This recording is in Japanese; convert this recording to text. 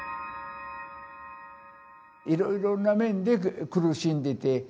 いろいろな面で苦しんでて。